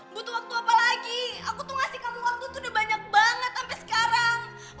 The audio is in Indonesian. butuh waktu apa lagi aku tuh ngasih kamu waktu itu udah banyak banget sampai sekarang